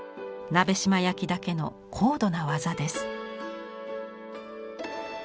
鍋島焼だけの高度な技です。